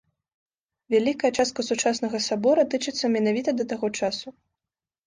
Вялікая частка сучаснага сабора тычыцца менавіта да таго часу.